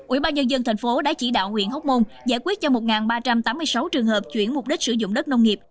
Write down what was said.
ubnd thành phố đã chỉ đạo huyện hóc môn giải quyết cho một ba trăm tám mươi sáu trường hợp chuyển mục đích sử dụng đất nông nghiệp